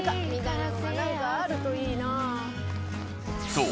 そう